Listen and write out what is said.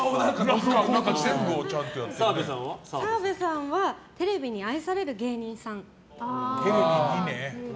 澤部さんはテレビに愛される芸人さん。